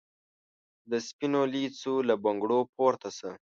د سپینو لېڅو له بنګړو پورته سه